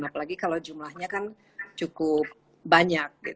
apalagi kalau jumlahnya kan cukup banyak